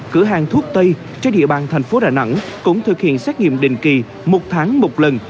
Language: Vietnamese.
cửa hàng thuốc tây trên địa bàn thành phố đà nẵng cũng thực hiện xét nghiệm định kỳ một tháng một lần